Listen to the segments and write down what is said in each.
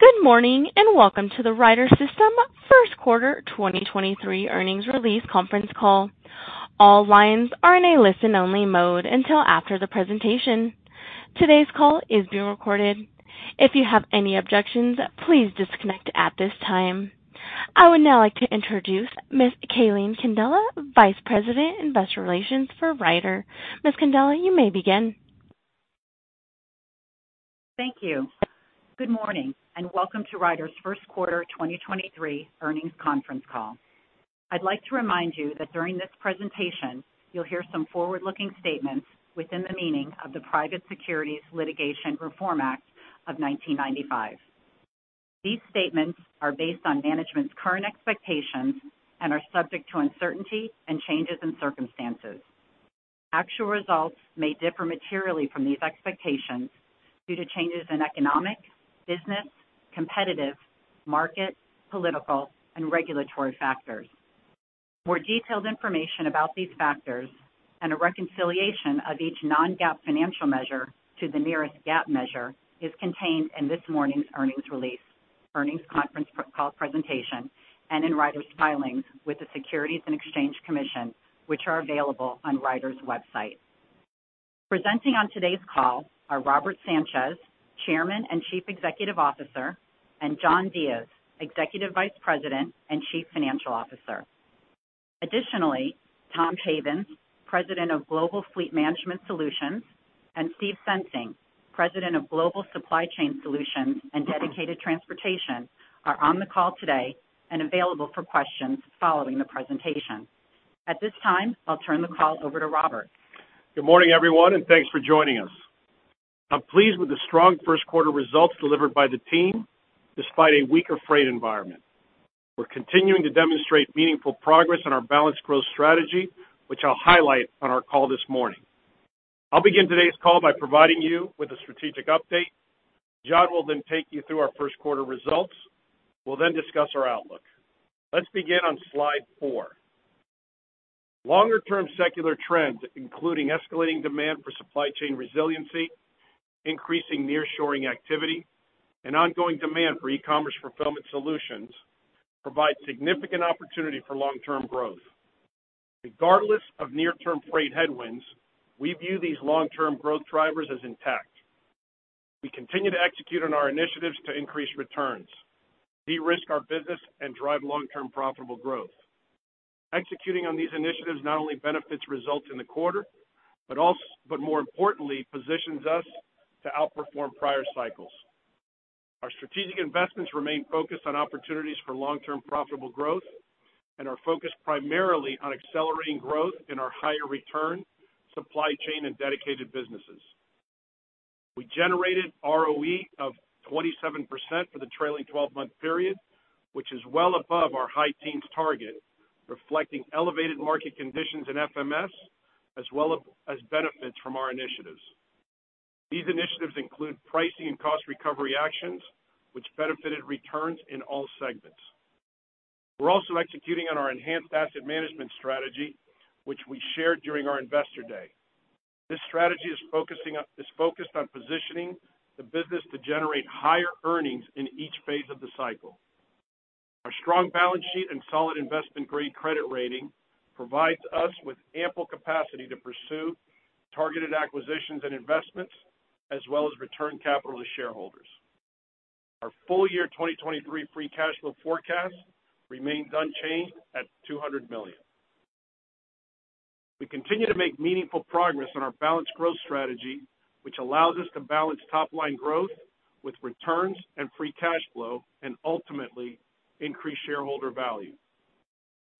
Good morning, and welcome to the Ryder System first quarter 2023 earnings release conference call. All lines are in a listen-only mode until after the presentation. Today's call is being recorded. If you have any objections, please disconnect at this time. I would now like to introduce Ms. Calene Candela, Vice President, Investor Relations for Ryder. Ms. Candela, you may begin. Thank you. Good morning, and welcome to Ryder's first quarter 2023 earnings conference call. I'd like to remind you that during this presentation, you'll hear some forward-looking statements within the meaning of the Private Securities Litigation Reform Act of 1995. These statements are based on management's current expectations and are subject to uncertainty and changes in circumstances. Actual results may differ materially from these expectations due to changes in economic, business, competitive, market, political, and regulatory factors. More detailed information about these factors and a reconciliation of each non-GAAP financial measure to the nearest GAAP measure is contained in this morning's earnings release, earnings conference call presentation, and in Ryder's filings with the Securities and Exchange Commission, which are available on Ryder's website. Presenting on today's call are Robert Sanchez, Chairman and Chief Executive Officer, and John Diez, Executive Vice President and Chief Financial Officer. Additionally, Tom Havens, President of Global Fleet Management Solutions, and Steve Sensing, President of Global Supply Chain Solutions and Dedicated Transportation, are on the call today and available for questions following the presentation. At this time, I'll turn the call over to Robert. Good morning, everyone. Thanks for joining us. I'm pleased with the strong first quarter results delivered by the team despite a weaker freight environment. We're continuing to demonstrate meaningful progress in our balanced growth strategy, which I'll highlight on our call this morning. I'll begin today's call by providing you with a strategic update. John will then take you through our first quarter results. We'll then discuss our outlook. Let's begin on slide four. Longer-term secular trends, including escalating demand for supply chain resiliency, increasing nearshoring activity, and ongoing demand for e-commerce fulfillment solutions, provide significant opportunity for long-term growth. Regardless of near-term freight headwinds, we view these long-term growth drivers as intact. We continue to execute on our initiatives to increase returns, de-risk our business, and drive long-term profitable growth. Executing on these initiatives not only benefits results in the quarter, but more importantly, positions us to outperform prior cycles. Our strategic investments remain focused on opportunities for long-term profitable growth and are focused primarily on accelerating growth in our higher return supply chain and dedicated businesses. We generated ROE of 27% for the trailing twelve-month period, which is well above our high teens target, reflecting elevated market conditions in FMS as well as benefits from our initiatives. These initiatives include pricing and cost recovery actions, which benefited returns in all segments. We're also executing on our enhanced asset management strategy, which we shared during our Investor Day. This strategy is focused on positioning the business to generate higher earnings in each phase of the cycle. Our strong balance sheet and solid investment-grade credit rating provides us with ample capacity to pursue targeted acquisitions and investments, as well as return capital to shareholders. Our full year 2023 free cash flow forecast remains unchanged at $200 million. We continue to make meaningful progress on our balanced growth strategy, which allows us to balance top line growth with returns and free cash flow and ultimately increase shareholder value.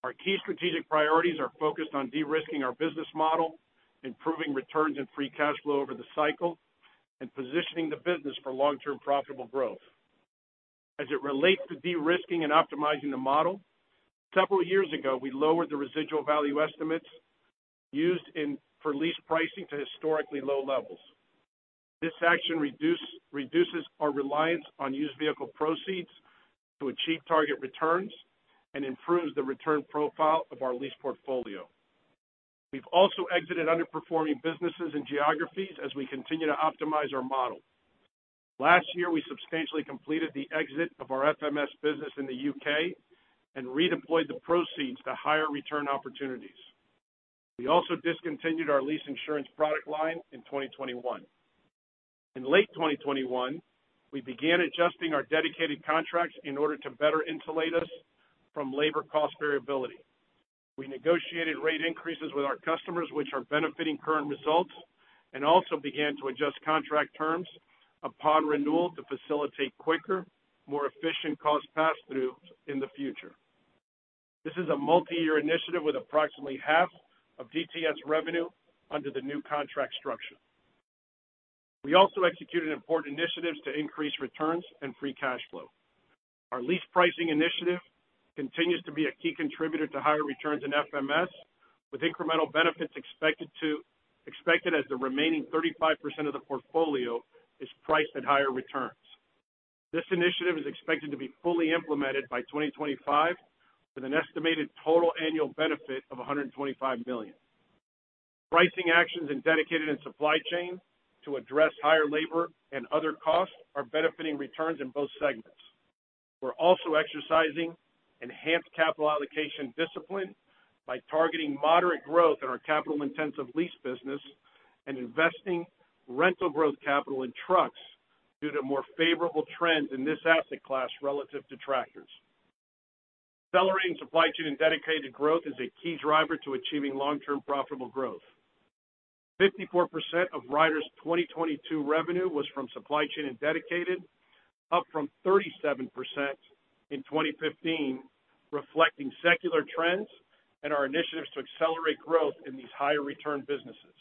Our key strategic priorities are focused on de-risking our business model, improving returns and free cash flow over the cycle, and positioning the business for long-term profitable growth. As it relates to de-risking and optimizing the model, several years ago, we lowered the residual value estimates used for lease pricing to historically low levels. This action reduces our reliance on used vehicle proceeds to achieve target returns and improves the return profile of our lease portfolio. We've also exited underperforming businesses and geographies as we continue to optimize our model. Last year, we substantially completed the exit of our FMS business in the U.K. and redeployed the proceeds to higher return opportunities. We also discontinued our lease insurance product line in 2021. In late 2021, we began adjusting our dedicated contracts in order to better insulate us from labor cost variability. We negotiated rate increases with our customers, which are benefiting current results, and also began to adjust contract terms upon renewal to facilitate quicker, more efficient cost pass-throughs in the future. This is a multiyear initiative with approximately half of DTS revenue under the new contract structure. We also executed important initiatives to increase returns and free cash flow. Our lease pricing initiative continues to be a key contributor to higher returns in FMS, with incremental benefits expected as the remaining 35% of the portfolio is priced at higher returns. This initiative is expected to be fully implemented by 2025, with an estimated total annual benefit of $125 million. Pricing actions in Dedicated and Supply Chain to address higher labor and other costs are benefiting returns in both segments. We're also exercising enhanced capital allocation discipline by targeting moderate growth in our capital-intensive lease business and investing rental growth capital in trucks due to more favorable trends in this asset class relative to tractors. Accelerating Supply Chain and Dedicated growth is a key driver to achieving long-term profitable growth. 54% of Ryder's 2022 revenue was from Supply Chain and Dedicated, up from 37% in 2015, reflecting secular trends and our initiatives to accelerate growth in these higher return businesses.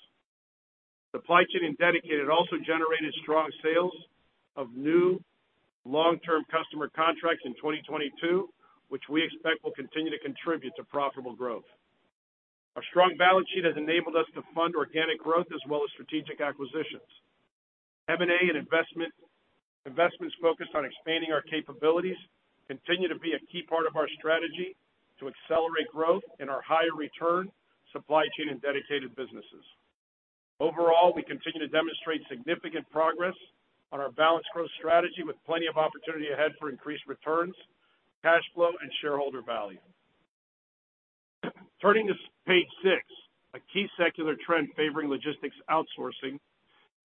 Supply Chain and Dedicated also generated strong sales of new long-term customer contracts in 2022, which we expect will continue to contribute to profitable growth. Our strong balance sheet has enabled us to fund organic growth as well as strategic acquisitions. M&A and investments focused on expanding our capabilities continue to be a key part of our strategy to accelerate growth in our higher return Supply Chain and Dedicated businesses. Overall, we continue to demonstrate significant progress on our balanced growth strategy with plenty of opportunity ahead for increased returns, cash flow, and shareholder value. Turning to page 6. A key secular trend favoring logistics outsourcing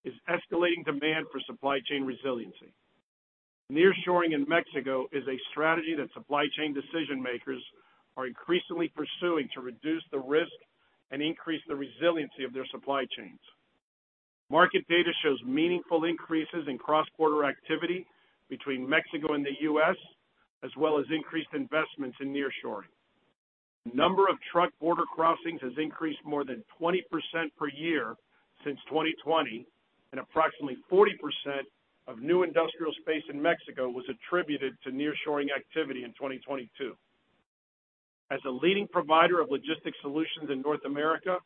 is escalating demand for supply chain resiliency. Nearshoring in Mexico is a strategy that supply chain decision makers are increasingly pursuing to reduce the risk and increase the resiliency of their supply chains. Market data shows meaningful increases in cross-border activity between Mexico and the U.S., as well as increased investments in nearshoring. Number of truck border crossings has increased more than 20% per year since 2020, and approximately 40% of new industrial space in Mexico was attributed to nearshoring activity in 2022. As a leading provider of logistics solutions in North America,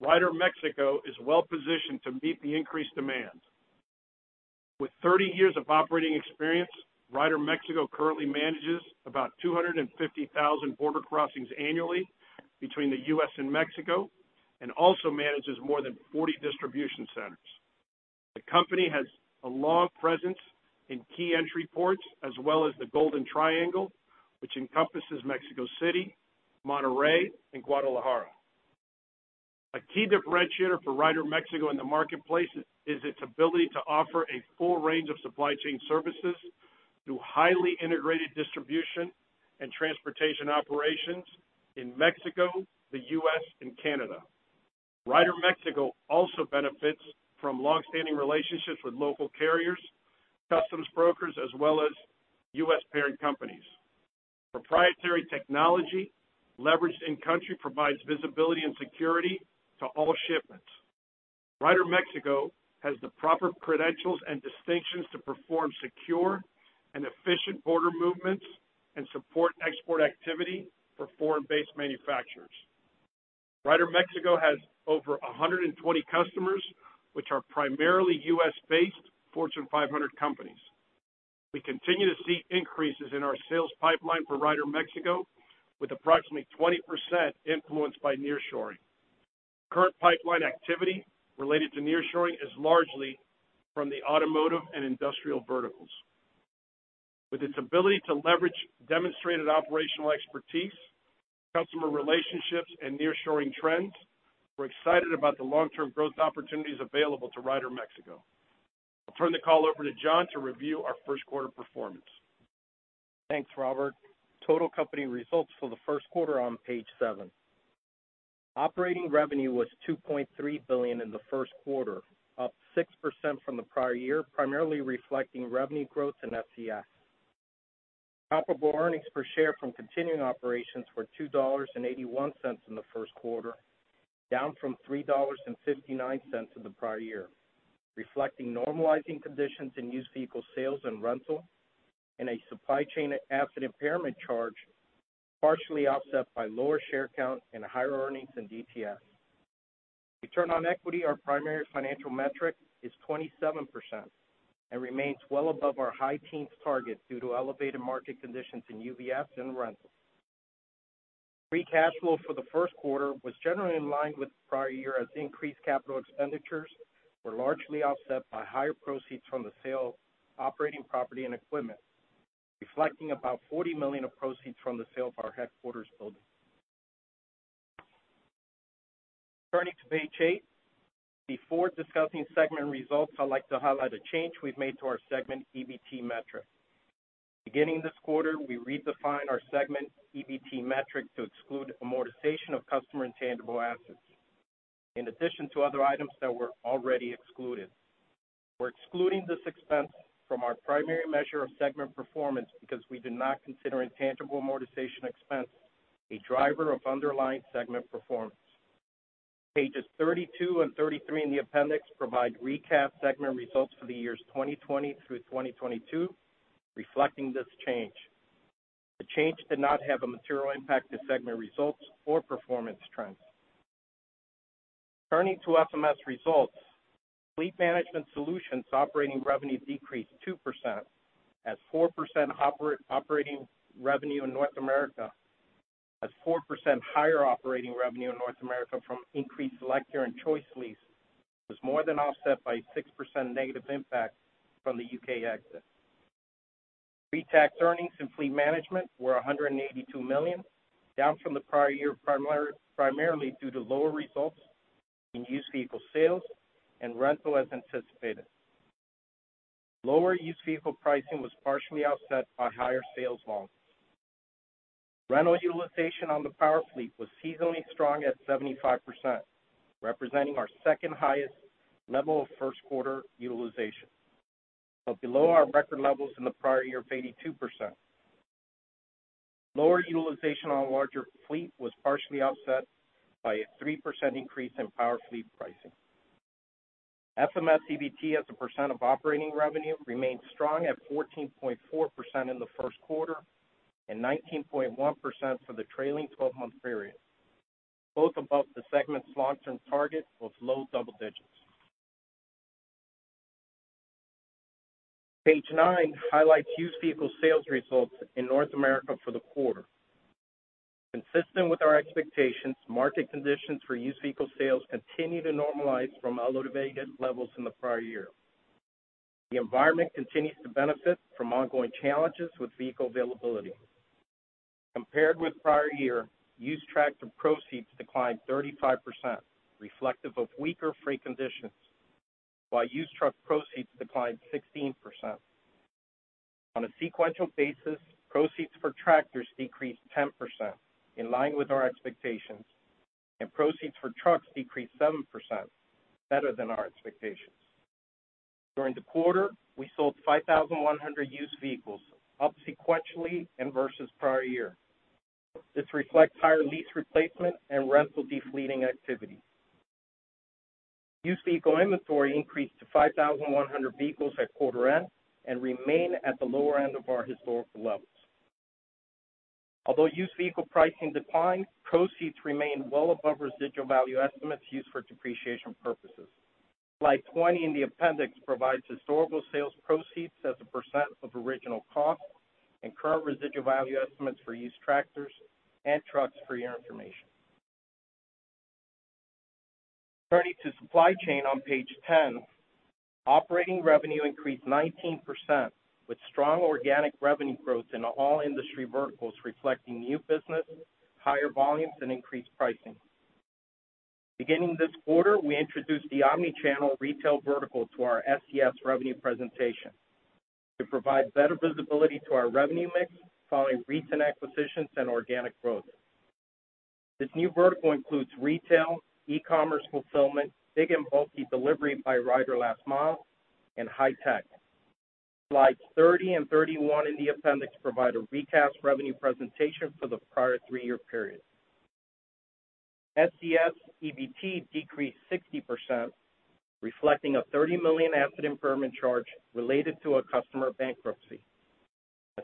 Ryder Mexico is well-positioned to meet the increased demand. With 30 years of operating experience, Ryder Mexico currently manages about 250,000 border crossings annually between the U.S. and Mexico, and also manages more than 40 distribution centers. The company has a long presence in key entry ports as well as the Golden Triangle, which encompasses Mexico City, Monterrey, and Guadalajara. A key differentiator for Ryder Mexico in the marketplace is its ability to offer a full range of supply chain services through highly integrated distribution and transportation operations in Mexico, the US, and Canada. Ryder Mexico also benefits from long-standing relationships with local carriers, customs brokers, as well as US parent companies. Proprietary technology leveraged in-country provides visibility and security to all shipments. Ryder Mexico has the proper credentials and distinctions to perform secure and efficient border movements and support export activity for foreign-based manufacturers. Ryder Mexico has over 120 customers, which are primarily US-based Fortune 500 companies. We continue to see increases in our sales pipeline for Ryder Mexico, with approximately 20% influenced by nearshoring. Current pipeline activity related to nearshoring is largely from the automotive and industrial verticals. With its ability to leverage demonstrated operational expertise, customer relationships, and nearshoring trends, we're excited about the long-term growth opportunities available to Ryder Mexico. I'll turn the call over to John to review our first quarter performance. Thanks, Robert. Total company results for the first quarter are on page 7. Operating revenue was $2.3 billion in the first quarter, up 6% from the prior year, primarily reflecting revenue growth in FMS. Comparable earnings per share from continuing operations were $2.81 in the first quarter, down from $3.59 in the prior year, reflecting normalizing conditions in used vehicle sales and rental, and a supply chain asset impairment charge, partially offset by lower share count and higher earnings in DTS. Return on equity, our primary financial metric, is 27% and remains well above our high teens target due to elevated market conditions in UVS and rental. Free cash flow for the first quarter was generally in line with prior year as increased capital expenditures were largely offset by higher proceeds from the sale of operating property and equipment, reflecting about $40 million of proceeds from the sale of our headquarters building. Turning to page 8. Before discussing segment results, I'd like to highlight a change we've made to our segment EBT metric. Beginning this quarter, we redefined our segment EBT metric to exclude amortization of customer intangible assets, in addition to other items that were already excluded. We're excluding this expense from our primary measure of segment performance because we do not consider intangible amortization expense a driver of underlying segment performance. Pages 32 and 33 in the appendix provide recap segment results for the years 2020 through 2022 reflecting this change. The change did not have a material impact to segment results or performance trends. Turning to FMS results, Fleet Management Solutions operating revenue decreased 2% as 4% higher operating revenue in North America from increased electric and ChoiceLease was more than offset by 6% negative impact from the U.K. exit. Pre-tax earnings in Fleet Management were $182 million, down from the prior year, primarily due to lower results in used vehicle sales and rental as anticipated. Lower used vehicle pricing was partially offset by higher sales volume. Rental utilization on the power fleet was seasonally strong at 75%, representing our second highest level of first quarter utilization, but below our record levels in the prior year of 82%. Lower utilization on larger fleet was partially offset by a 3% increase in power fleet pricing. FMS EBT as a % of operating revenue remained strong at 14.4% in the first quarter and 19.1% for the trailing twelve-month period, both above the segment's long-term target of low double digits. Page 9 highlights used vehicle sales results in North America for the quarter. Consistent with our expectations, market conditions for used vehicle sales continue to normalize from elevated levels in the prior year. The environment continues to benefit from ongoing challenges with vehicle availability. Compared with prior year, used tractor proceeds declined 35%, reflective of weaker freight conditions, while used truck proceeds declined 16%. On a sequential basis, proceeds for tractors decreased 10%, in line with our expectations, and proceeds for trucks decreased 7%, better than our expectations. During the quarter, we sold 5,100 used vehicles, up sequentially and versus prior year. This reflects higher lease replacement and rental de-fleeting activity. Used vehicle inventory increased to 5,100 vehicles at quarter end and remain at the lower end of our historical levels. Although used vehicle pricing declined, proceeds remain well above residual value estimates used for depreciation purposes. Slide 20 in the appendix provides historical sales proceeds as a % of original cost and current residual value estimates for used tractors and trucks for your information. Turning to supply chain on page 10. Operating revenue increased 19%, with strong organic revenue growth in all industry verticals, reflecting new business, higher volumes and increased pricing. Beginning this quarter, we introduced the omni-channel retail vertical to our SCS revenue presentation to provide better visibility to our revenue mix following recent acquisitions and organic growth. This new vertical includes retail, e-commerce fulfillment, big and bulky delivery by Ryder Last Mile and high tech. Slides 30 and 31 in the appendix provide a recast revenue presentation for the prior 3-year period. SCS EBT decreased 60%, reflecting a $30 million asset impairment charge related to a customer bankruptcy.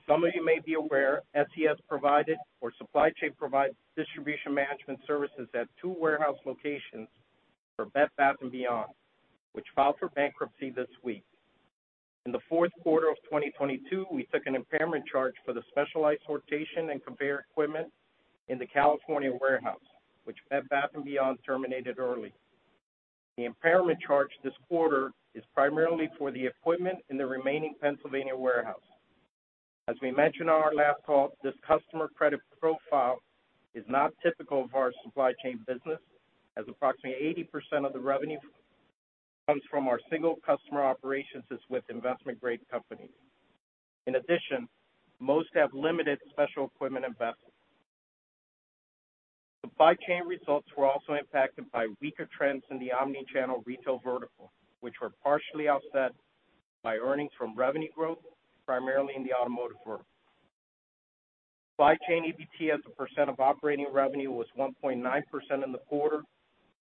Some of you may be aware, SCS provided or Supply Chain provided distribution management services at 2 warehouse locations for Bed, Bath & Beyond, which filed for bankruptcy this week. In the fourth quarter of 2022, we took an impairment charge for the specialized sortation and conveyor equipment in the California warehouse, which Bed, Bath & Beyond terminated early. The impairment charge this quarter is primarily for the equipment in the remaining Pennsylvania warehouse. As we mentioned on our last call, this customer credit profile is not typical of our Supply Chain business, as approximately 80% of the revenue comes from our single customer operations as with investment-grade companies. Most have limited special equipment investment. The Supply Chain results were also impacted by weaker trends in the omni-channel retail vertical, which were partially offset by earnings from revenue growth, primarily in the automotive world. Supply Chain EBT as a percent of operating revenue was 1.9% in the quarter,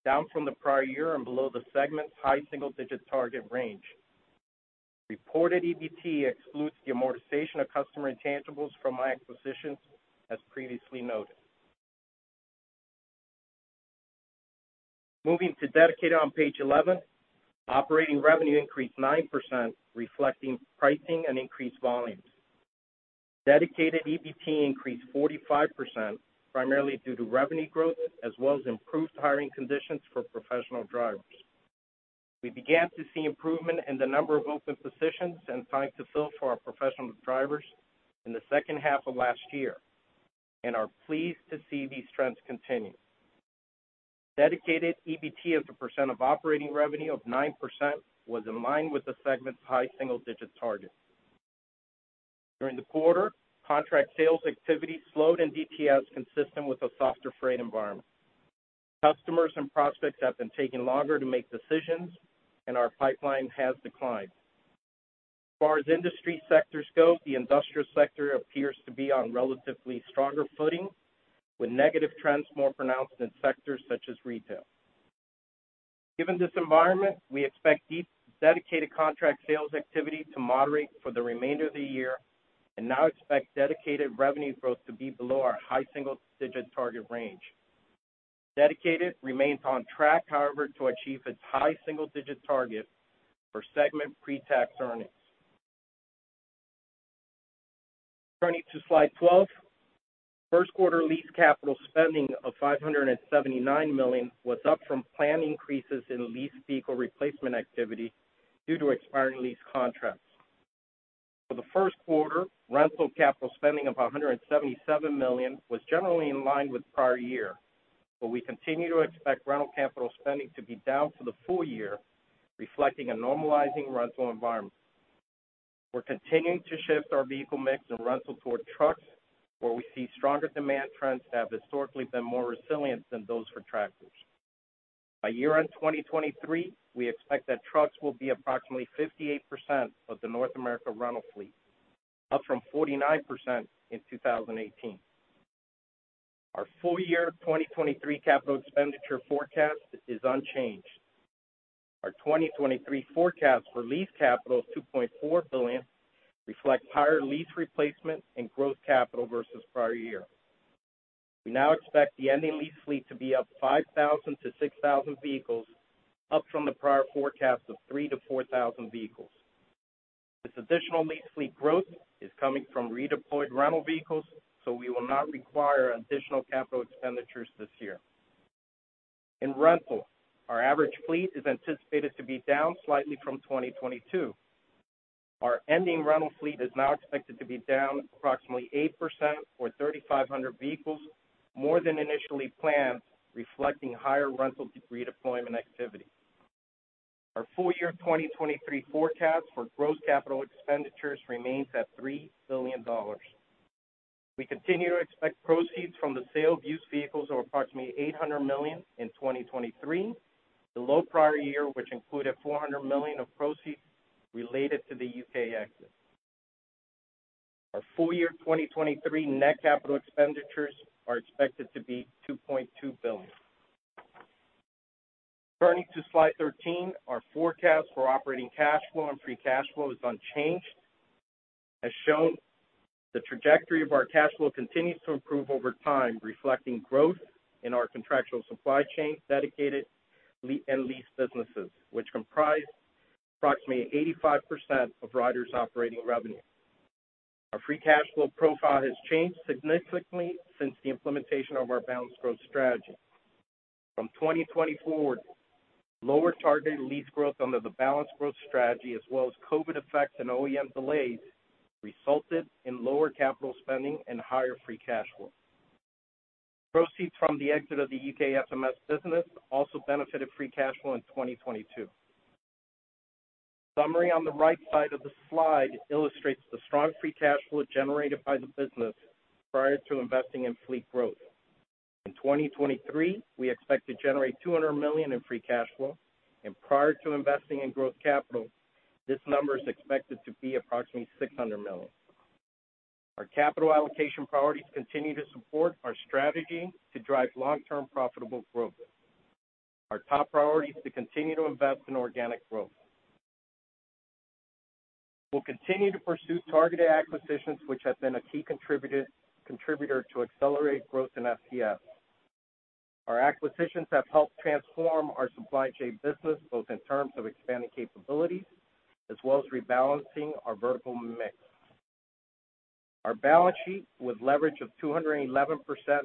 down from the prior year and below the segment's high single-digit target range. Reported EBT excludes the amortization of customer intangibles from my acquisitions, as previously noted. Moving to Dedicated Transportation on page 11, operating revenue increased 9%, reflecting pricing and increased volumes. Dedicated EBT increased 45%, primarily due to revenue growth as well as improved hiring conditions for professional drivers. We began to see improvement in the number of open positions and time to fill for our professional drivers in the second half of last year and are pleased to see these trends continue. Dedicated EBT as a percent of operating revenue of 9% was in line with the segment's high single-digit target. During the quarter, contract sales activity slowed in DTS, consistent with a softer freight environment. Customers and prospects have been taking longer to make decisions, and our pipeline has declined. As far as industry sector scope, the industrial sector appears to be on relatively stronger footing, with negative trends more pronounced in sectors such as retail. Given this environment, we expect dedicated contract sales activity to moderate for the remainder of the year and now expect dedicated revenue growth to be below our high single-digit target range. Dedicated remains on track, however, to achieve its high single-digit target for segment pre-tax earnings. Turning to slide 12. First quarter lease capital spending of $579 million was up from planned increases in leased vehicle replacement activity due to expiring lease contracts. For the first quarter, rental capital spending of $177 million was generally in line with prior year. We continue to expect rental capital spending to be down for the full year, reflecting a normalizing rental environment. We're continuing to shift our vehicle mix and rental toward trucks, where we see stronger demand trends that have historically been more resilient than those for tractors. By year-end 2023, we expect that trucks will be approximately 58% of the North America rental fleet, up from 49% in 2018. Our full year 2023 capital expenditure forecast is unchanged. Our 2023 forecast for lease capital of $2.4 billion reflect higher lease replacement and growth capital versus prior year. We now expect the ending lease fleet to be up 5,000-6,000 vehicles, up from the prior forecast of 3,000-4,000 vehicles. This additional lease fleet growth is coming from redeployed rental vehicles, we will not require additional capital expenditures this year. In rental, our average fleet is anticipated to be down slightly from 2022. Our ending rental fleet is now expected to be down approximately 8% or 3,500 vehicles more than initially planned, reflecting higher rental redeployment activity. Our full year 2023 forecast for gross capital expenditures remains at $3 billion. We continue to expect proceeds from the sale of used vehicles of approximately $800 million in 2023 below prior year, which included $400 million of proceeds related to the U.K. exit. Our full year 2023 net capital expenditures are expected to be $2.2 billion. Turning to slide 13. Our forecast for operating cash flow and free cash flow is unchanged. As shown, the trajectory of our cash flow continues to improve over time, reflecting growth in our contractual supply chain, dedicated and lease businesses, which comprise approximately 85% of Ryder's operating revenue. Our free cash flow profile has changed significantly since the implementation of our balanced growth strategy. From 2020 forward, lower targeted lease growth under the balanced growth strategy as well as COVID effects and OEM delays resulted in lower capital spending and higher free cash flow. Proceeds from the exit of the UK FMS business also benefited free cash flow in 2022. Summary on the right side of the slide illustrates the strong free cash flow generated by the business prior to investing in fleet growth. In 2023, we expect to generate $200 million in free cash flow, and prior to investing in growth capital, this number is expected to be approximately $600 million. Our capital allocation priorities continue to support our strategy to drive long-term profitable growth. Our top priority is to continue to invest in organic growth. We'll continue to pursue targeted acquisitions, which has been a key contributor to accelerated growth in FCF. Our acquisitions have helped transform our supply chain business, both in terms of expanding capabilities as well as rebalancing our vertical mix. Our balance sheet, with leverage of 211%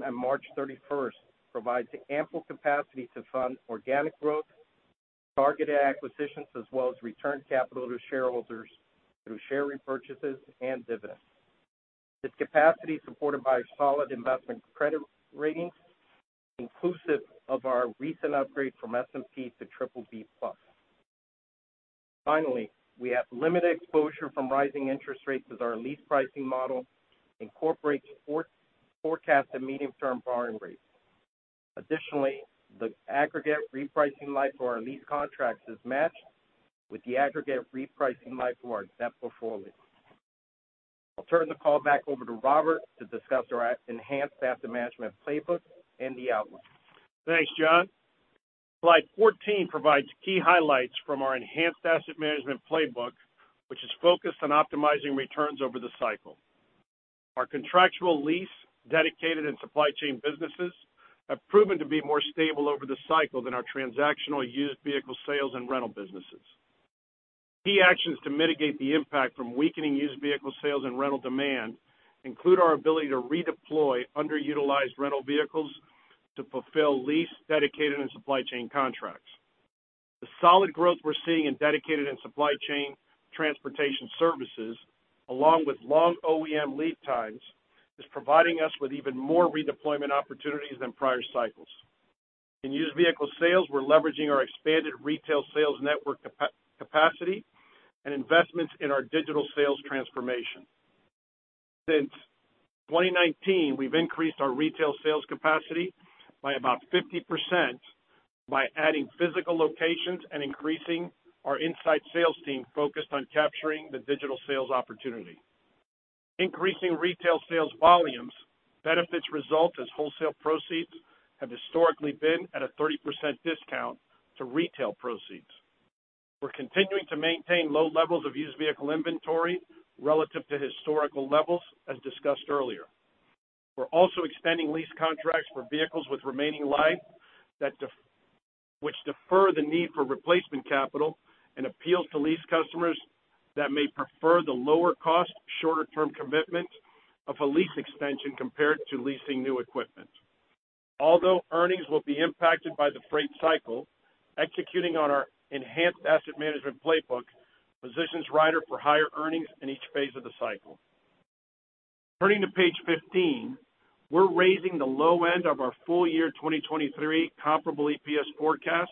on March 31st, provides ample capacity to fund organic growth, targeted acquisitions, as well as return capital to shareholders through share repurchases and dividends. This capacity, supported by solid investment credit ratings, inclusive of our recent upgrade from S&P to BBB+. Finally, we have limited exposure from rising interest rates as our lease pricing model incorporates for-forecast and medium-term borrowing rates. Additionally, the aggregate repricing life for our lease contracts is matched with the aggregate repricing life for our debt portfolio. I'll turn the call back over to Robert to discuss our enhanced asset management playbook and the outlook. Thanks, John. Slide 14 provides key highlights from our enhanced asset management playbook, which is focused on optimizing returns over the cycle. Our contractual lease, dedicated and supply chain businesses have proven to be more stable over the cycle than our transactional used vehicle sales and rental businesses. Key actions to mitigate the impact from weakening used vehicle sales and rental demand include our ability to redeploy underutilized rental vehicles to fulfill lease, dedicated, and supply chain contracts. The solid growth we're seeing in dedicated and supply chain transportation services, along with long OEM lead times, is providing us with even more redeployment opportunities than prior cycles. In used vehicle sales, we're leveraging our expanded retail sales network capacity and investments in our digital sales transformation. Since 2019, we've increased our retail sales capacity by about 50% by adding physical locations and increasing our inside sales team focused on capturing the digital sales opportunity. Increasing retail sales volumes benefits result as wholesale proceeds have historically been at a 30% discount to retail proceeds. We're continuing to maintain low levels of used vehicle inventory relative to historical levels, as discussed earlier. We're also extending lease contracts for vehicles with remaining life which defer the need for replacement capital and appeals to lease customers that may prefer the lower cost, shorter term commitment of a lease extension compared to leasing new equipment. Although earnings will be impacted by the freight cycle, executing on our enhanced asset management playbook positions Ryder for higher earnings in each phase of the cycle. Turning to page 15, we're raising the low end of our full year 2023 comparable EPS forecast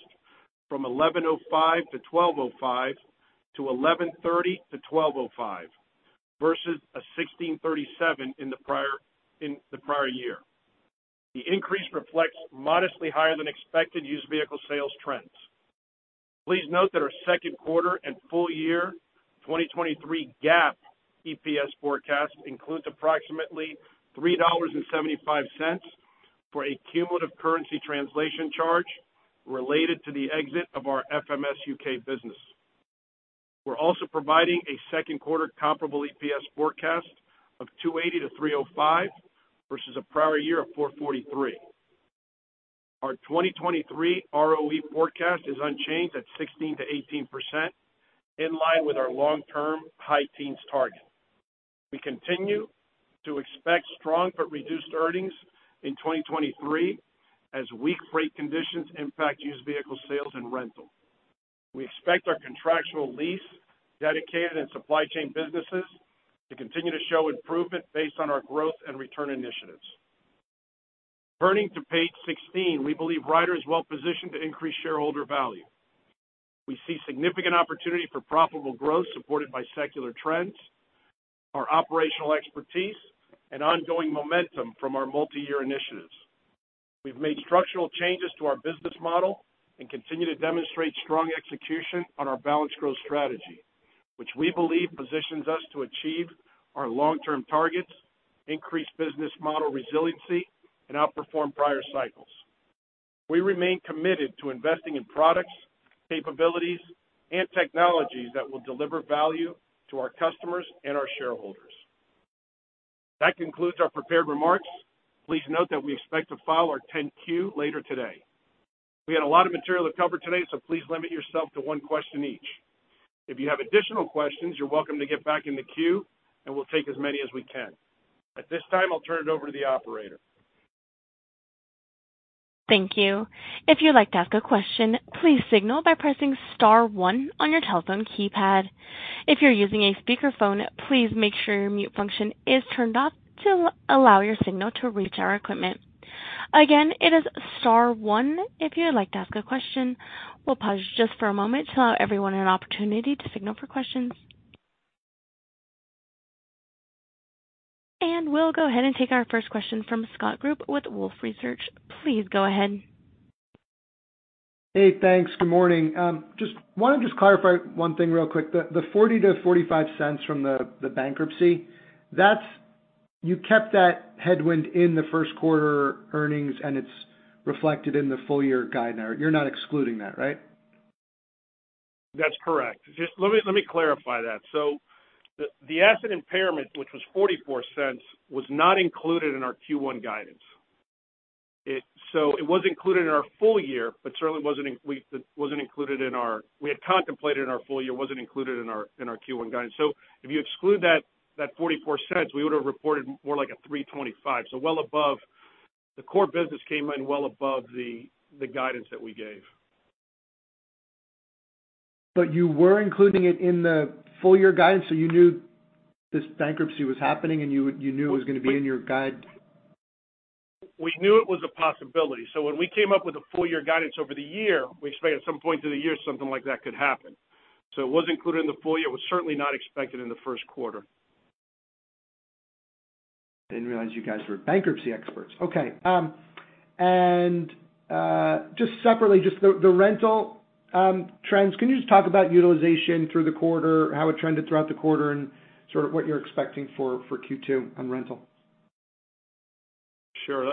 from $11.05-$12.05 to $11.30-$12.05 versus a $16.37 in the prior year. The increase reflects modestly higher than expected used vehicle sales trends. Please note that our second quarter and full year 2023 GAAP EPS forecast includes approximately $3.75 for a cumulative currency translation charge related to the exit of our FMS U.K. business. We're also providing a second quarter comparable EPS forecast of $2.80-$3.05 versus a prior year of $4.43. Our 2023 ROE forecast is unchanged at 16%-18% in line with our long term high teens target. We continue to expect strong but reduced earnings in 2023 as weak freight conditions impact used vehicle sales and rental. We expect our contractual lease, dedicated, and supply chain businesses to continue to show improvement based on our growth and return initiatives. Turning to page 16, we believe Ryder is well positioned to increase shareholder value. We see significant opportunity for profitable growth supported by secular trends, our operational expertise, and ongoing momentum from our multiyear initiatives. We've made structural changes to our business model and continue to demonstrate strong execution on our balanced growth strategy, which we believe positions us to achieve our long-term targets, increase business model resiliency, and outperform prior cycles. We remain committed to investing in products, capabilities, and technologies that will deliver value to our customers and our shareholders. That concludes our prepared remarks. Please note that we expect to file our 10-Q later today. We had a lot of material to cover today. Please limit yourself to one question each. If you have additional questions, you're welcome to get back in the queue. We'll take as many as we can. At this time, I'll turn it over to the operator. Thank you. If you'd like to ask a question, please signal by pressing star one on your telephone keypad. If you're using a speakerphone, please make sure your mute function is turned off to allow your signal to reach our equipment. Again, it is star one if you would like to ask a question. We'll pause just for a moment to allow everyone an opportunity to signal for questions. We'll go ahead and take our first question from Scott Group with Wolfe Research. Please go ahead. Hey, thanks. Good morning. Just want to clarify one thing real quick. The $0.40-$0.45 from the bankruptcy, that's. You kept that headwind in the first quarter earnings, and it's reflected in the full year guide. You're not excluding that, right? That's correct. Just let me clarify that. The asset impairment, which was $0.44, was not included in our Q1 guidance. It was included in our full year, but certainly wasn't included in our. We had contemplated in our full year, it wasn't included in our Q1 guidance. If you exclude that $0.44, we would have reported more like a $3.25. Well above. The core business came in well above the guidance that we gave. You were including it in the full year guidance, so you knew this bankruptcy was happening, and you knew it was going to be in your guide? We knew it was a possibility. When we came up with a full year guidance over the year, we expected at some point through the year something like that could happen. It was included in the full year. It was certainly not expected in the first quarter. Didn't realize you guys were bankruptcy experts. Okay. Just separately, just the rental, trends. Can you just talk about utilization through the quarter, how it trended throughout the quarter and sort of what you're expecting for Q2 on rental? Sure.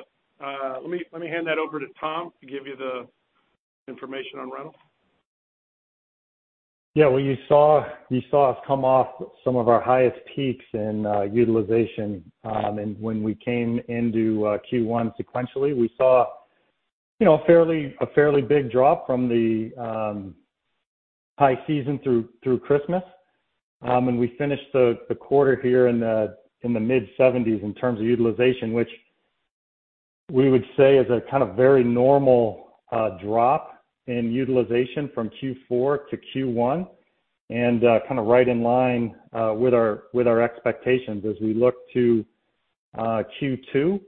Let me hand that over to Tom to give you the information on rental. Yeah. Well, you saw us come off some of our highest peaks in utilization, when we came into Q1 sequentially. We saw, you know, a fairly big drop from the high season through Christmas. We finished the quarter here in the mid-70s in terms of utilization, which we would say is a kind of very normal drop in utilization from Q4 to Q1, kind of right in line with our expectations. As we look to Q2,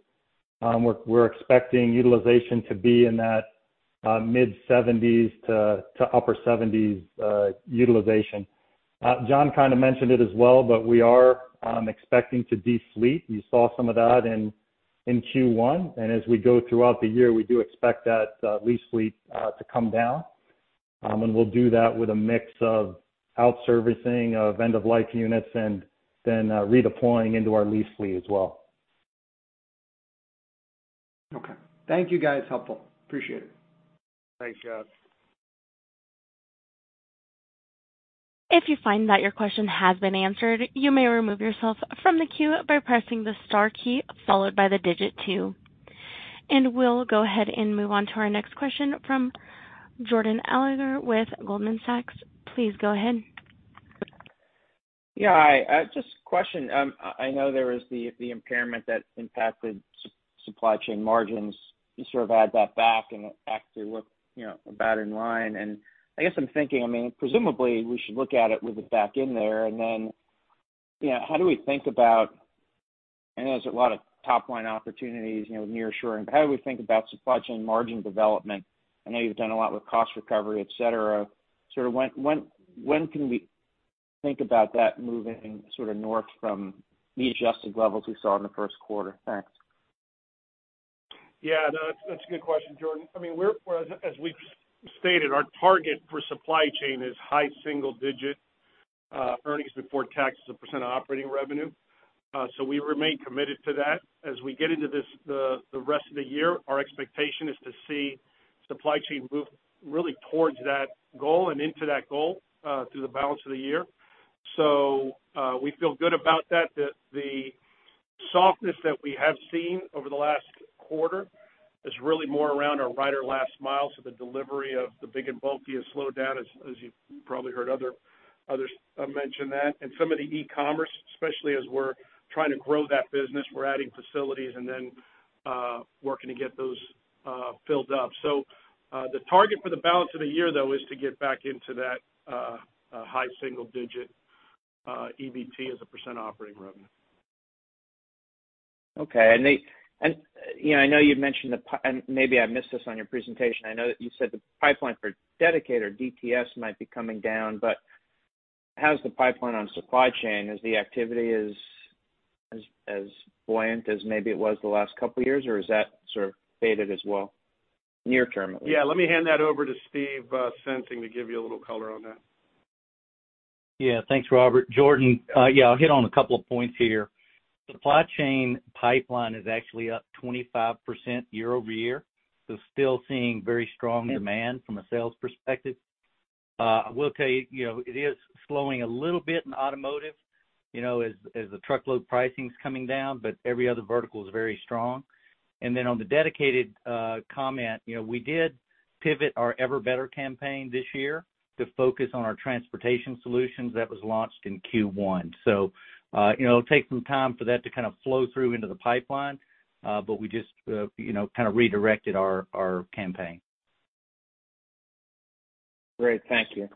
we're expecting utilization to be in that mid-70s to upper 70s utilization. John kind of mentioned it as well, we are expecting to de-fleet. You saw some of that in Q1. As we go throughout the year, we do expect that lease fleet to come down. We'll do that with a mix of out servicing of end-of-life units and then redeploying into our lease fleet as well. Thank you guys. Helpful. Appreciate it. Thanks, Scott. If you find that your question has been answered, you may remove yourself from the queue by pressing the star key followed by 2. We'll go ahead and move on to our next question from Jordan Alliger with Goldman Sachs. Please go ahead. Yeah. Hi. Just a question. I know there was the impairment that impacted supply chain margins. You sort of add that back and back to what, you know, about in line. I guess I'm thinking, I mean, presumably we should look at it with it back in there and then, you know, how do we think about... I know there's a lot of top line opportunities, you know, with nearshoring, but how do we think about supply chain margin development? I know you've done a lot with cost recovery, et cetera. Sort of when can we think about that moving sort of north from the adjusted levels we saw in the first quarter? Thanks. Yeah, no, that's a good question, Jordan. I mean, we're, as we've stated, our target for Supply Chain is high single digit earnings before tax as a percent of operating revenue. We remain committed to that. As we get into this, the rest of the year, our expectation is to see Supply Chain move really towards that goal and into that goal through the balance of the year. We feel good about that. The softness that we have seen over the last quarter is really more around our Ryder Last Mile. The delivery of the big and bulky has slowed down as you probably heard others mention that. Some of the e-commerce, especially as we're trying to grow that business, we're adding facilities and then working to get those filled up. The target for the balance of the year though, is to get back into that high single digit EBT as a % of operating revenue. Okay. You know, I know you've mentioned and maybe I missed this on your presentation. I know that you said the pipeline for dedicated or DTS might be coming down, but how's the pipeline on supply chain? Is the activity as buoyant as maybe it was the last couple of years, or is that sort of faded as well near term, at least? Yeah. Let me hand that over to Steve Sensing to give you a little color on that. Yeah. Thanks, Robert. Jordan, yeah, I'll hit on a couple of points here. Supply chain pipeline is actually up 25% year-over-year, so still seeing very strong demand from a sales perspective. I will tell you know, it is slowing a little bit in automotive, you know, as the truckload pricing is coming down, but every other vertical is very strong. Then on the dedicated comment, you know, we did pivot our Ever Better campaign this year to focus on our transportation solutions that was launched in Q1. You know, it'll take some time for that to kind of flow through into the pipeline, but we just, you know, kind of redirected our campaign. Great. Thank you.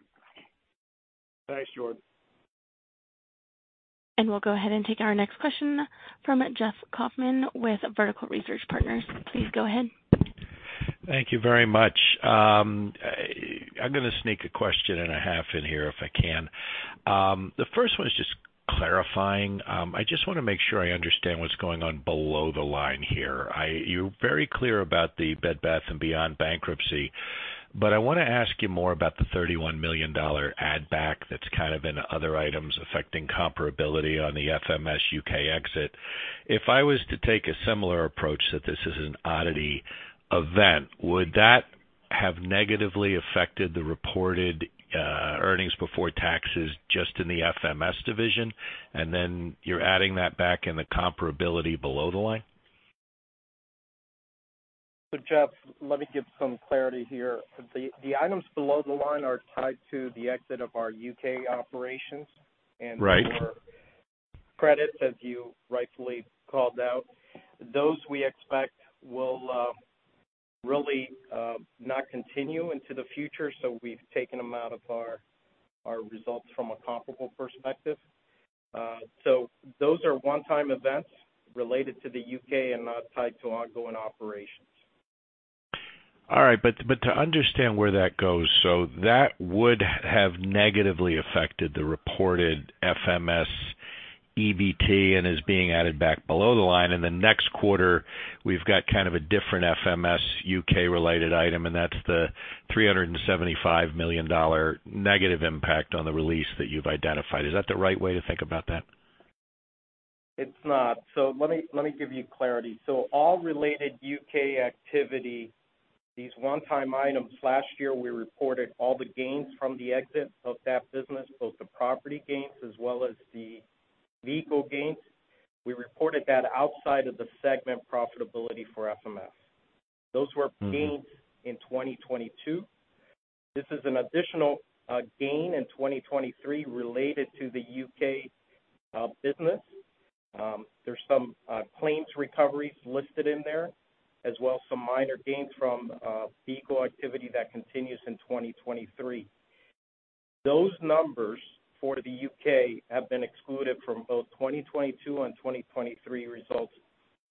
Thanks, Jordan. We'll go ahead and take our next question from Jeff Kauffman with Vertical Research Partners. Please go ahead. Thank you very much. I'm going to sneak a question and a half in here if I can. The first one is just clarifying. I just want to make sure I understand what's going on below the line here. You're very clear about the Bed Bath & Beyond bankruptcy, but I want to ask you more about the $31 million add back that's kind of in other items affecting comparability on the FMS U.K. exit. If I was to take a similar approach that this is an oddity event, would that have negatively affected the reported earnings before taxes just in the FMS division? Then you're adding that back in the comparability below the line? Jeff, let me give some clarity here. The items below the line are tied to the exit of our U.K. operations. Right. Your credits, as you rightfully called out. Those we expect will, really, not continue into the future. We've taken them out of our results from a comparable perspective. Those are one-time events related to the U.K. and not tied to ongoing operations. All right. To understand where that goes, That would have negatively affected the reported FMS EBT and is being added back below the line. In the next quarter, we've got kind of a different FMS U.K. related item, and that's the $375 million negative impact on the release that you've identified. Is that the right way to think about that? It's not. Let me give you clarity. All related U.K. activity, these one-time items. Last year, we reported all the gains from the exit of that business, both the property gains as well as the vehicle gains. We reported that outside of the segment profitability for FMS. Those were gains in 2022. This is an additional gain in 2023 related to the U.K. business. There's some claims recoveries listed in there, as well as some minor gains from vehicle activity that continues in 2023. Those numbers for the U.K. have been excluded from both 2022 and 2023 results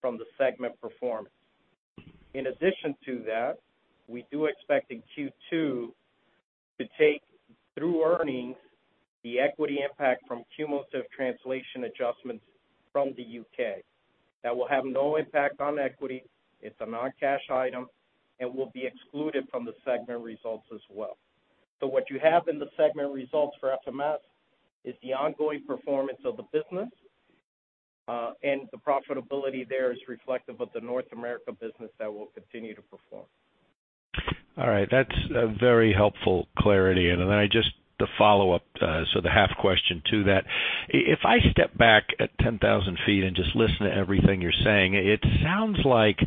from the segment performance. In addition to that, we do expect in Q2 to take through earnings the equity impact from cumulative translation adjustments from the U.K. That will have no impact on equity. It's a non-cash item and will be excluded from the segment results as well. What you have in the segment results for FMS is the ongoing performance of the business. The profitability there is reflective of the North America business that will continue to perform. All right. That's a very helpful clarity. I just the follow-up, so the half question to that, if I step back at 10,000 feet and just listen to everything you're saying, it sounds like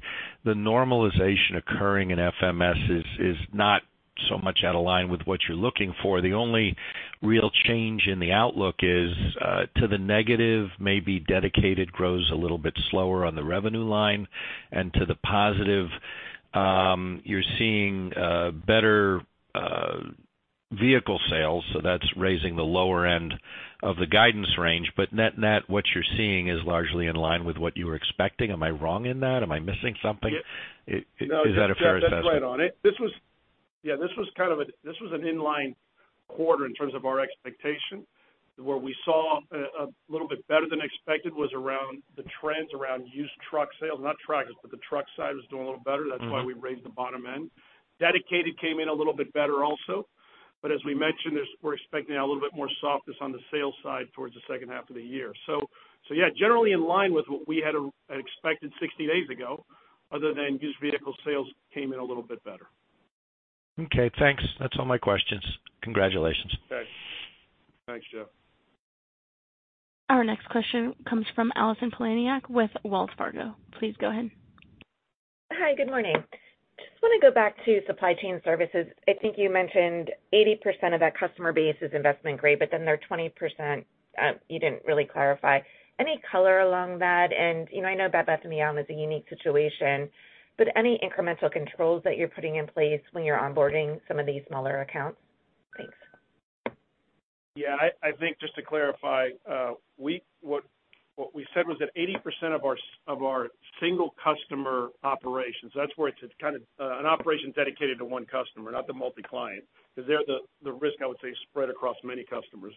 the normalization occurring in FMS is not so much out of line with what you're looking for. The only real change in the outlook is to the negative, maybe dedicated grows a little bit slower on the revenue line and to the positive, you're seeing better vehicle sales. That's raising the lower end of the guidance range. Net-net, what you're seeing is largely in line with what you were expecting. Am I wrong in that? Am I missing something? Is that a fair assessment? No, Jeff, that's right on it. This was, yeah, this was kind of this was an inline quarter in terms of our expectation, where we saw a little bit better than expected was around the trends around used truck sales, not tractors, but the truck side was doing a little better. That's why we raised the bottom end. Dedicated came in a little bit better also. As we mentioned, we're expecting a little bit more softness on the sales side towards the second half of the year. Yeah, generally in line with what we had expected 60 days ago, other than used vehicle sales came in a little bit better. Okay, thanks. That's all my questions. Congratulations. Okay. Thanks, Jeff. Our next question comes from Allison Poliniak-Cusic with Wells Fargo. Please go ahead. Hi, good morning. Just want to go back to Supply Chain services. I think you mentioned 80% of that customer base is investment grade, but then there are 20%. You didn't really clarify. Any color along that? I know Bed, Bath & Beyond is a unique situation, but any incremental controls that you're putting in place when you're onboarding some of these smaller accounts? Thanks. Yeah, I think just to clarify, what we said was that 80% of our, of our single customer operations, that's where it's kind of an operation dedicated to one customer, not the multi-client, because they're the risk, I would say, spread across many customers.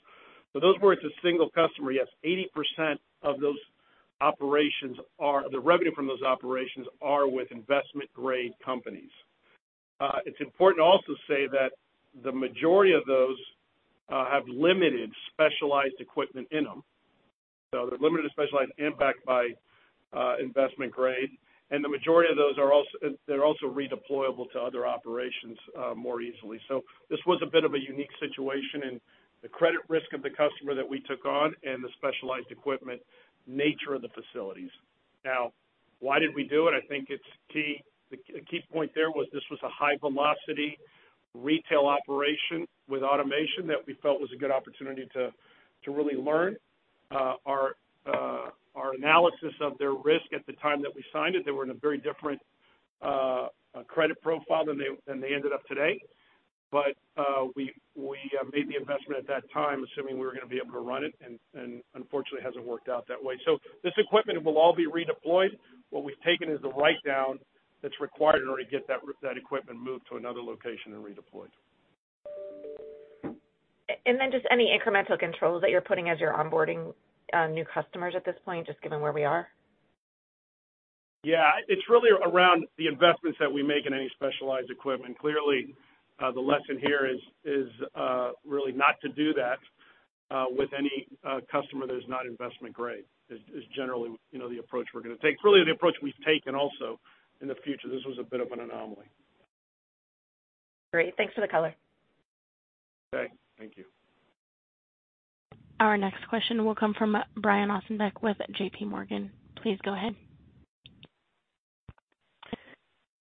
Those where it's a single customer, yes, 80% of those operations are the revenue from those operations are with investment grade companies. It's important to also say that the majority of those have limited specialized equipment in them. They're limited specialized impact by investment grade. The majority of those are also they're also redeployable to other operations more easily. This was a bit of a unique situation in the credit risk of the customer that we took on and the specialized equipment nature of the facilities. Why did we do it? I think it's key. The key point there was this was a high velocity retail operation with automation that we felt was a good opportunity to really learn our analysis of their risk at the time that we signed it. They were in a very different credit profile than they ended up today. We made the investment at that time, assuming we were going to be able to run it, and unfortunately, it hasn't worked out that way. This equipment will all be redeployed. What we've taken is the write down that's required in order to get that equipment moved to another location and redeployed. Just any incremental controls that you're putting as you're onboarding, new customers at this point, just given where we are? It's really around the investments that we make in any specialized equipment. Clearly, the lesson here is really not to do that with any customer that is not investment grade is generally, you know, the approach we're going to take, really the approach we've taken also in the future. This was a bit of an anomaly. Great. Thanks for the color. Okay. Thank you. Our next question will come from Brian Ossenbeck with J.P. Morgan. Please go ahead.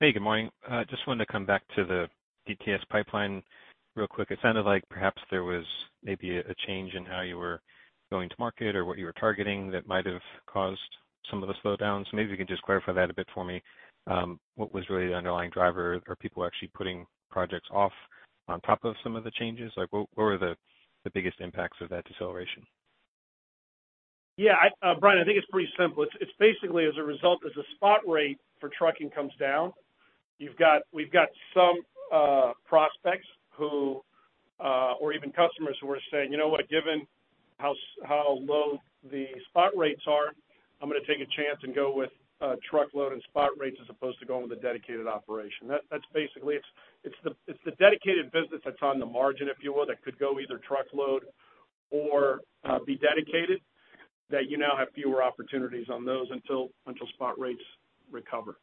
Hey, good morning. I just wanted to come back to the DTS pipeline real quick. It sounded like perhaps there was maybe a change in how you were going to market or what you were targeting that might have caused some of the slowdowns. Maybe you can just clarify that a bit for me. What was really the underlying driver? Are people actually putting projects off on top of some of the changes? What were the biggest impacts of that deceleration? Yeah, Brian, I think it's pretty simple. It's basically as a result, as the spot rate for trucking comes down, we've got some prospects who or even customers who are saying, "You know what? Given how low the spot rates are, I'm going to take a chance and go with truckload and spot rates as opposed to going with a dedicated operation." That's basically it. It's the dedicated business that's on the margin, if you will, that could go either truckload or be dedicated, that you now have fewer opportunities on those until spot rates recover.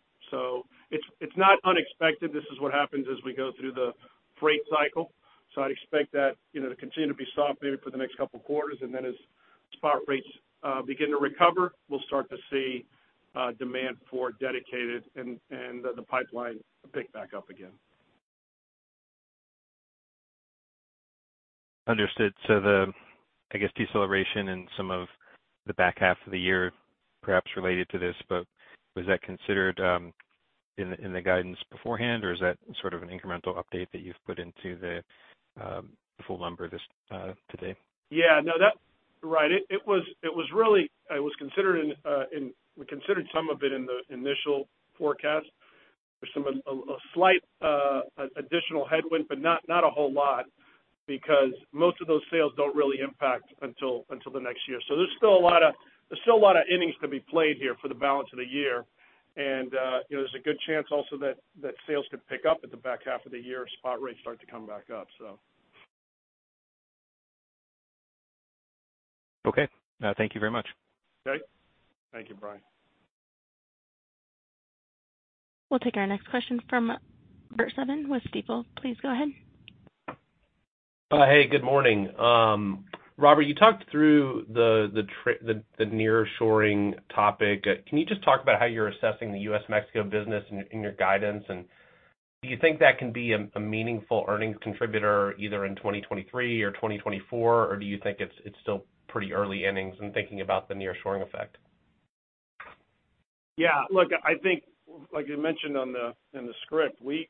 It's not unexpected. This is what happens as we go through the freight cycle. I'd expect that, you know, to continue to be soft maybe for the next couple of quarters. Then as spot rates begin to recover, we'll start to see demand for Dedicated and the pipeline pick back up again. Understood. The, I guess, deceleration in some of the back half of the year perhaps related to this, but was that considered in the guidance beforehand, or is that sort of an incremental update that you've put into the full number this today? Yeah. No, that. Right. It was really considered in we considered some of it in the initial forecast. There's some a slight additional headwind, but not a whole lot because most of those sales don't really impact until the next year. There's still a lot of innings to be played here for the balance of the year. You know, there's a good chance also that sales could pick up at the back half of the year, spot rates start to come back up, so. Okay. Thank you very much. Okay. Thank you, Brian. We'll take our next question from Bert Subin with Stifel. Please go ahead. Hey, good morning. Robert, you talked through the nearshoring topic. Can you just talk about how you're assessing the US-Mexico business in your guidance? Do you think that can be a meaningful earnings contributor either in 2023 or 2024, or do you think it's still pretty early innings in thinking about the nearshoring effect? Look, I think, like you mentioned in the script, we've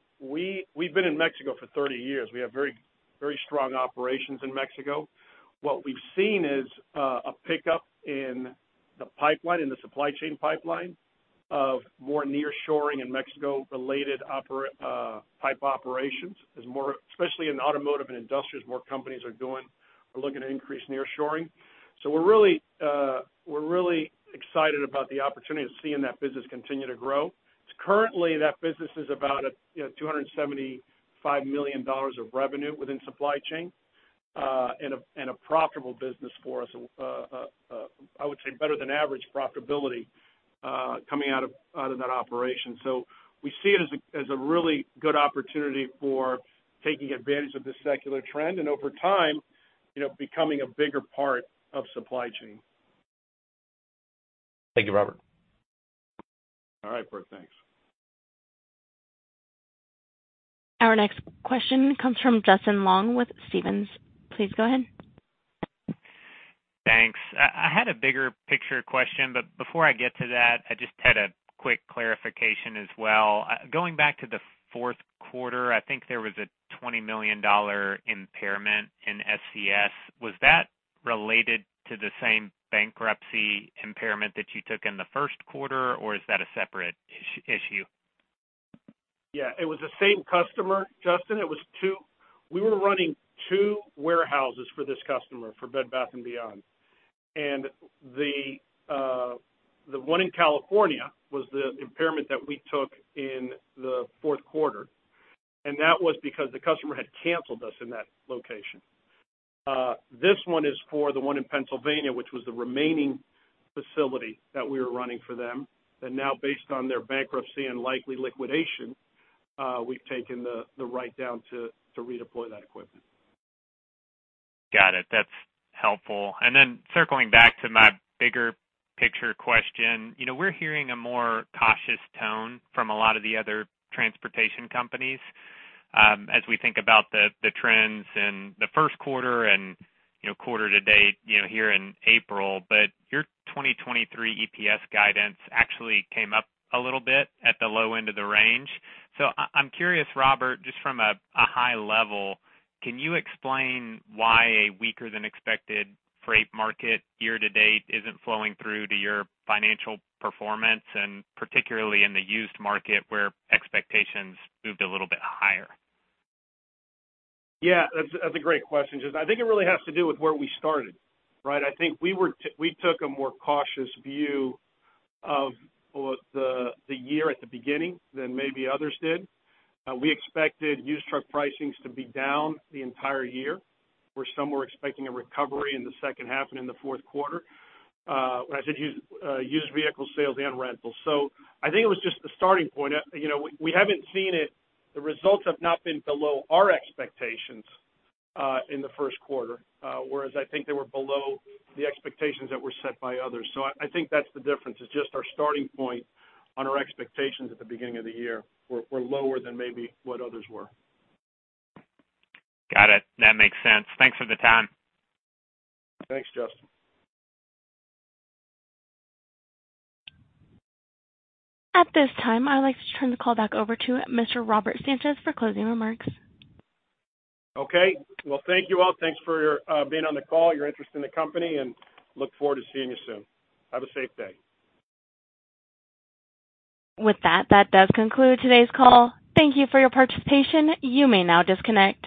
been in Mexico for 30 years. We have very, very strong operations in Mexico. What we've seen is a pickup in the pipeline, in the supply chain pipeline of more nearshoring and Mexico-related pipe operations. Especially in automotive and industrials, more companies are doing or looking to increase nearshoring. We're really excited about the opportunity of seeing that business continue to grow. Currently, that business is about at, you know, $275 million of revenue within supply chain and a profitable business for us. I would say better than average profitability coming out of that operation. We see it as a really good opportunity for taking advantage of this secular trend, and over time, you know, becoming a bigger part of supply chain. Thank you, Robert. All right, Bert. Thanks. Our next question comes from Justin Long with Stephens. Please go ahead. Thanks. I had a bigger picture question, but before I get to that, I just had a quick clarification as well. Going back to the fourth quarter, I think there was a $20 million impairment in SCS. Was that related to the same bankruptcy impairment that you took in the first quarter, or is that a separate issue? Yeah. It was the same customer, Justin. We were running two warehouses for this customer, for Bed Bath & Beyond. The one in California was the impairment that we took in the fourth quarter, and that was because the customer had canceled us in that location. This one is for the one in Pennsylvania, which was the remaining facility that we were running for them. Now based on their bankruptcy and likely liquidation, we've taken the write-down to redeploy that equipment. Got it. That's helpful. Circling back to my bigger picture question. You know, we're hearing a more cautious tone from a lot of the other transportation companies, as we think about the trends in the first quarter and, you know, quarter to date, you know, here in April. Your 2023 EPS guidance actually came up a little bit at the low end of the range. I'm curious, Robert, just from a high level, can you explain why a weaker than expected freight market year to date isn't flowing through to your financial performance, and particularly in the used market where expectations moved a little bit higher? That's a great question, Justin. I think it really has to do with where we started, right? I think we took a more cautious view of, well, the year at the beginning than maybe others did. We expected used truck pricings to be down the entire year, where some were expecting a recovery in the second half and in the fourth quarter. When I said used vehicle sales and rentals. I think it was just the starting point. you know, we haven't seen it. The results have not been below our expectations in the first quarter, whereas I think they were below the expectations that were set by others. I think that's the difference. It's just our starting point on our expectations at the beginning of the year were lower than maybe what others were. Got it. That makes sense. Thanks for the time. Thanks, Justin. At this time, I'd like to turn the call back over to Mr. Robert Sanchez for closing remarks. Okay. Well, thank you all. Thanks for being on the call, your interest in the company. Look forward to seeing you soon. Have a safe day. With that does conclude today's call. Thank you for your participation. You may now disconnect.